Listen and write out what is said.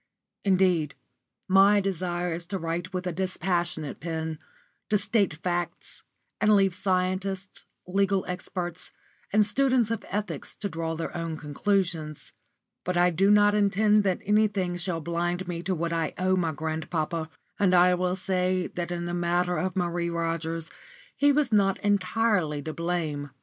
Indeed, my desire is to write with a dispassionate pen, to state facts, and leave scientists, legal experts, and students of ethics to draw their own conclusions. But I do not intend that anything shall blind me to what I owe my grandpapa; and I will say that in the matter of Marie Rogers he was not entirely to blame.